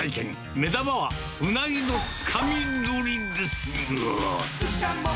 目玉は、うなぎのつかみ取りですが。